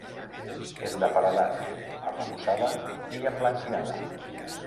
És de paredat, arrebossada i emblanquinada.